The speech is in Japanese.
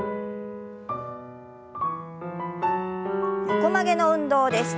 横曲げの運動です。